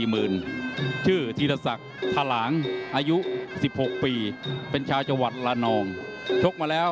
มุมแดงที่เค้าว่ากันว่า